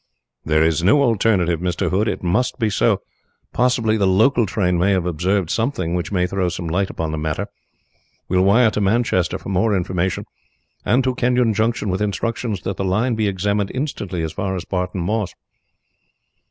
"There's no alternative, Mr. Hood. It must be so. Possibly the local train may have observed something which may throw some light upon the matter. We will wire to Manchester for more information, and to Kenyon Junction with instructions that the line be examined instantly as far as Barton Moss."